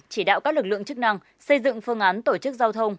chỉ đạo các lực lượng chức năng xây dựng phương án tổ chức giao thông